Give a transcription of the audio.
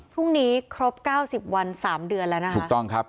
พรุ่งนี้ครบเก้าสิบวันสามเดือนแล้วนะคะถูกต้องครับ